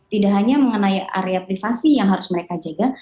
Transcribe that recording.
tidak hanya mengenai area privasi yang harus mereka jaga